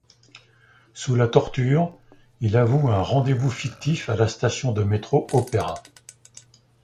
Sous la torture, il avoue un rendez-vous fictif à la station de métro Opéra.